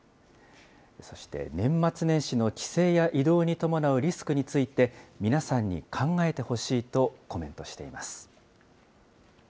そして年末年始の帰省や移動に伴うリスクについて、皆さんに考えてほしいとコメントしています。